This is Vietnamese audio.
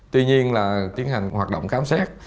tuy nhiên là tiến hành hoạt động khám xét